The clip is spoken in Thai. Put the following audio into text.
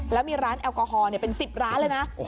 แล้วมีร้านแอลกอฮอลเป็น๑๐ร้านเลยนะ